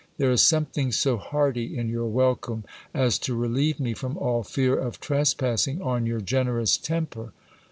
There is something so hearty in your welcome as to relieve me from all fear of trespassing on your generous 258 GIL BLAS. temper.